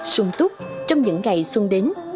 sung túc trong những ngày xuân đến